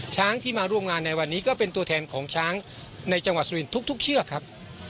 ช้างที่มาร่วมงานในวันนี้ก็เป็นตัวแทนของช้างในจังหวัดสุรินทร์ทุกเชือกครับ